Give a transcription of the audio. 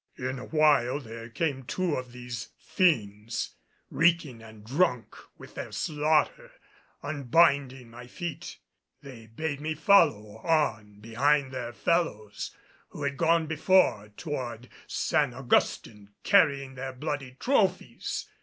In a while there came two of these fiends reeking and drunk with slaughter; unbinding my feet, they bade me follow on behind their fellows who had gone before toward San Augustin, carrying their bloody trophies.